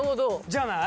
じゃない？